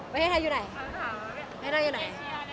ประเทศไทยอยู่ไหน